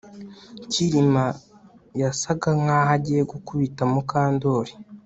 Kirima yasaga nkaho agiye gukubita Mukandoli